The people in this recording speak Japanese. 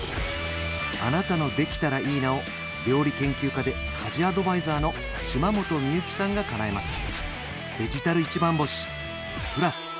あなたの「できたらいいな」を料理研究家で家事アドバイザーの島本美由紀さんがかなえます